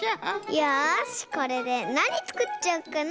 よしこれでなにつくっちゃおっかな。